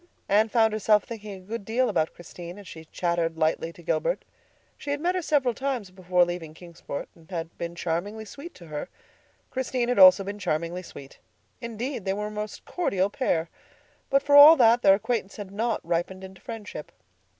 Anne found herself thinking a good deal about Christine as she chatted lightly to Gilbert. She had met her several times before leaving Kingsport, and had been charmingly sweet to her. Christine had also been charmingly sweet. Indeed, they were a most cordial pair. But for all that, their acquaintance had not ripened into friendship.